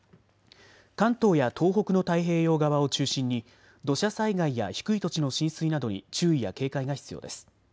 関東や東北の太平洋側を中心に土砂災害や低い土地の浸水などに注意や警戒が必要です。